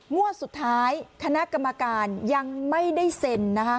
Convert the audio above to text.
งวดสุดท้ายคณะกรรมการยังไม่ได้เซ็น